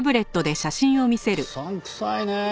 うさんくさいねえ。